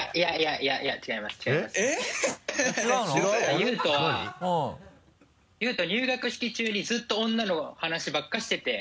悠人は悠人入学式中にずっと女の話ばっかしてて。